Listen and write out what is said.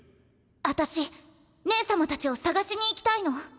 私姉様たちを捜しに行きたいの。